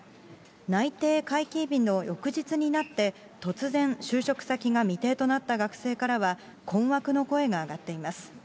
内定解禁日の翌日になって、突然、就職先が未定となった学生からは、困惑の声が上がっています。